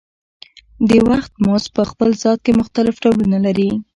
د وخت مزد په خپل ذات کې مختلف ډولونه لري